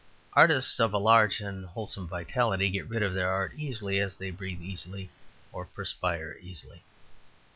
Artists of a large and wholesome vitality get rid of their art easily, as they breathe easily, or perspire easily.